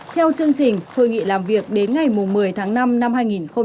theo chương trình hội nghị làm việc đến ngày một mươi tháng năm năm hai nghìn hai mươi